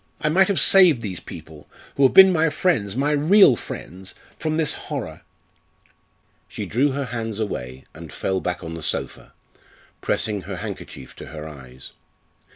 I might have saved these people, who have been my friends my real friends from this horror." She drew her hands away and fell back on the sofa, pressing her handkerchief to her eyes.